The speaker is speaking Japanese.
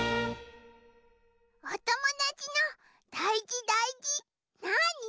おともだちのだいじだいじなあに？